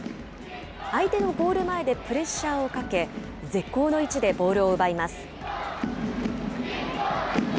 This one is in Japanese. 相手のゴール前でプレッシャーをかけ、絶好の位置でボールを奪います。